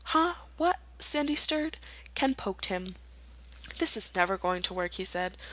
"Huh? What?" Sandy stirred. Ken poked him. "This is never going to work," he said.